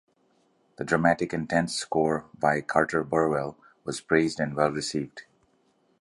The dramatic and tense score by Carter Burwell was praised and well received.